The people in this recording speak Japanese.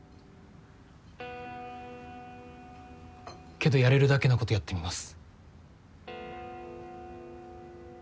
けどやれるだけのことやってみます。